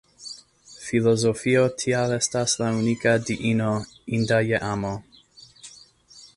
Filozofio tial estas la unika Diino inda je amo.